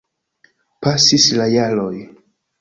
Pasis la jaroj.